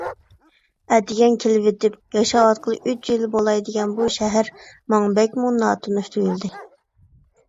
ئەتىگەن كېلىۋېتىپ، ياشاۋاتقىلى ئۈچ يىل بولاي دېگەن بۇ شەھەر ماڭا بەكمۇ ناتونۇش تۇيۇلدى.